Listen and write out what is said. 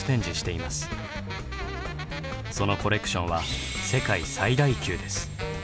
そのコレクションは世界最大級です。